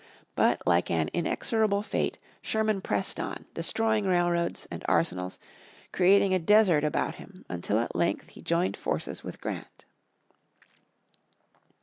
But, like an inexorable fate, Sherman pressed on, destroying railroads, and arsenals, creating a desert about him until at length he joined forces with Grant.